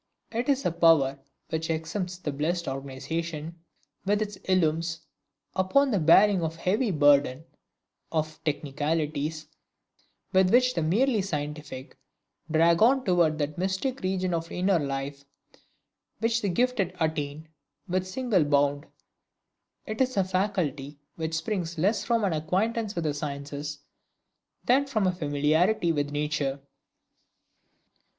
It is a power which exempts the blessed organization which it illumes, from the bearing of the heavy burden of technicalities, with which the merely scientific drag on toward that mystic region of inner life, which the gifted attain with a single bound. It is a faculty which springs less from an acquaintance with the sciences, than from a familiarity with nature.